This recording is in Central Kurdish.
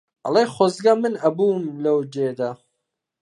ئەڵێ خۆزگا من ئەبووم لەو جێدا